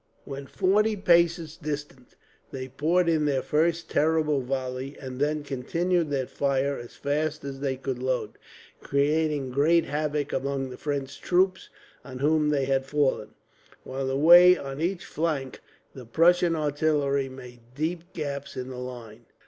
When forty paces distant, they poured in their first terrible volley, and then continued their fire as fast as they could load; creating great havoc among the French troops on whom they had fallen, while away on each flank the Prussian artillery made deep gaps in the line.